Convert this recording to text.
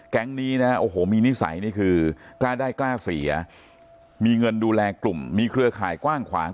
นี้นะโอ้โหมีนิสัยนี่คือกล้าได้กล้าเสียมีเงินดูแลกลุ่มมีเครือข่ายกว้างขวาง